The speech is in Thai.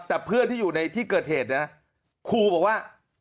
แต่เพื่อนที่อยู่ในที่เกิดเหตุนะครูบอกว่า